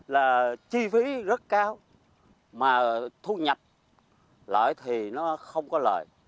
là chi phí rất cao mà thuốc nhập lại thì nó không có lợi